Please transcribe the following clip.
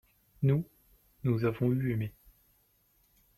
nous, nous avons eu aimé.